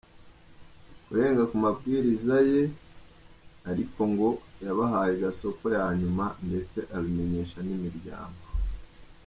kurenga ku mabwiriza ye ariko ngo yabahaye gasopo ya nyuma ndetse abimenyesha nimiryango.